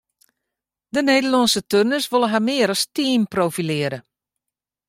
De Nederlânske turners wolle har mear as team profilearje.